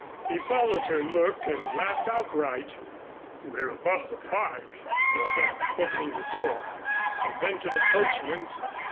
He followed her look and laughed outright. "We're above the Park," he said, opening the door. And then to the coachman.